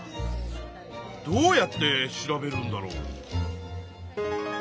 どうやって調べるんだろう？